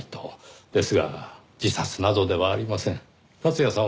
ですが自殺などではありません。